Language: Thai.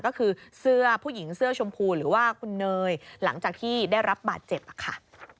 ก็คือเสื้อผู้หญิงเสื้อชมพูหรือว่าคุณเนยหลังจากที่ได้รับบาดเจ็บค่ะ